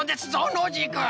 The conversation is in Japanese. ノージーくん。